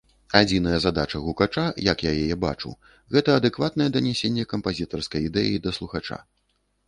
Адзіная задача гукача, як я яе бачу, гэта адэкватнае данясенне кампазітарскай ідэі да слухача.